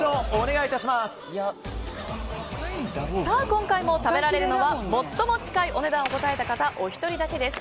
今回も食べられるのは最も近いお値段を答えた方お一人だけです。